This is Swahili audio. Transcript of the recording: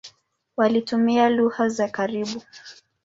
Walitumia lugha za karibu.